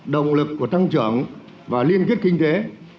động lực của tăng trưởng và liên kết kế hàng đầu khu vực